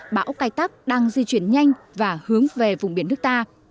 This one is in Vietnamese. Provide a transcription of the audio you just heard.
bão cai tắc đang di chuyển nhanh và hướng về vùng biển nước ta